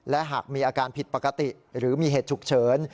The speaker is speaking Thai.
และหากมีอาการผิดปกติหรือมีเหตุฉุกเฉิน